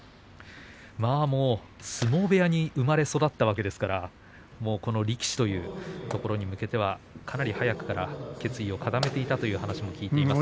もう相撲部屋に生まれ育ったわけですから力士というところに向けてはかなり早くから決意を固めていたという話も聞いています。